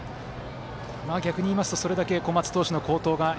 逆に言いますとそれだけ小松投手の好投が。